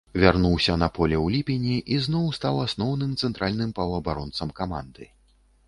Вярнуўся на поле ў ліпені і зноў стаў асноўным цэнтральным паўабаронцам каманды.